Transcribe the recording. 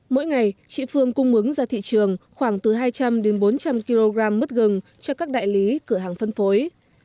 mỗi ngày chị phương cung mứng ra thị trường khoảng từ hai trăm linh đến bốn trăm linh kg mứt gừng cho các đại lý cửa hàng phân phối